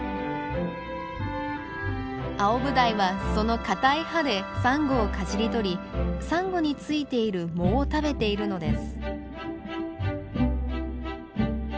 アオブダイはその硬い歯でサンゴをかじり取りサンゴに付いている藻を食べているのです。